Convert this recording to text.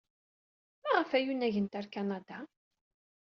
Maɣef ay unagent ɣer Kanada?